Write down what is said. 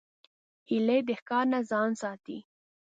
هیلۍ د ښکار نه ځان ساتي